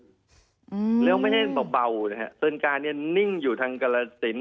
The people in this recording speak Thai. อืมแล้วไม่ได้เบาเบานะฮะเซินกาเนี่ยนิ่งอยู่ทางกรสิน